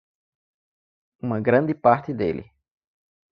uma grande parte dele